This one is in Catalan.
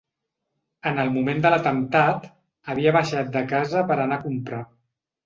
En el moment de l’atemptat, havia baixat de casa per anar a comprar.